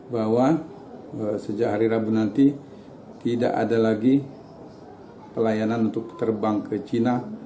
bahwa sejak hari rabu nanti tidak ada lagi pelayanan untuk terbang ke cina